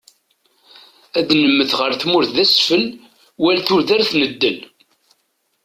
Ad nemmet ɣef tmurt d asfel, wal tudert n ddel.